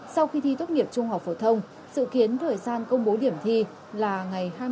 sau khi thi tốt nghiệp trung học phổ thông sự kiến thời gian công bố điểm thi là ngày hai mươi bốn tháng bảy